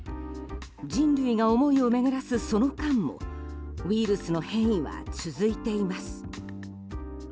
人類が思いを巡らす、その間もウイルスの変異は続いています。